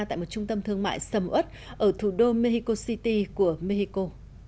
tại một trung tâm thương mại sầm ớt ở thủ đô mexico city của mexico